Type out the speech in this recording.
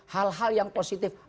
hal hal yang positif